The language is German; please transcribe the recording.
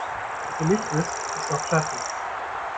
Wo Licht ist, ist auch Schatten.